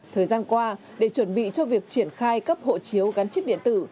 thời gian qua để chuẩn bị cho việc triển khai cấp hộ chiếu gắn chip điện tử